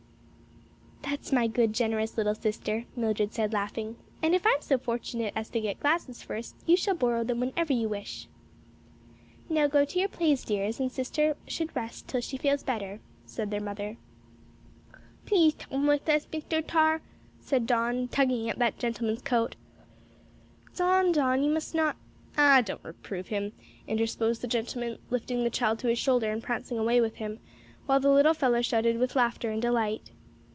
"That's my good, generous little sister," Mildred said, laughing, "and if I'm so fortunate as to get glasses first, you shall borrow them whenever you wish." "Now go to your plays, dears, and let sister rest till she feels better," said their mother. "Please tum wis us, Mr. Tarr," said Don, tugging at that gentleman's coat. "Don, Don, you must not " "Ah, don't reprove him," interposed the gentleman, lifting the child to his shoulder and prancing away with him, while the little fellow shouted with laughter and delight.